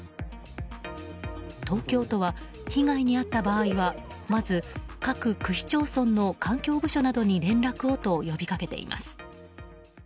東京都は被害に遭った場合はまず各区市町村の環境部署などに連絡をと呼びかけています。